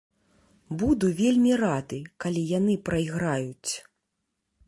Буду вельмі рады, калі яны прайграюць.